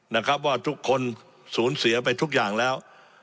นะครับว่าทุกคนสูญเสียไปทุกอย่างแล้ว